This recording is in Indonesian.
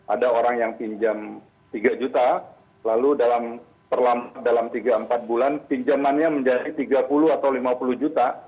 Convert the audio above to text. ada orang yang pinjam tiga juta lalu dalam tiga empat bulan pinjamannya menjadi tiga puluh atau lima puluh juta